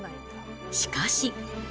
しかし。